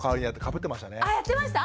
あやってました？